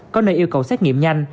có nơi yêu cầu xét nghiệm nhanh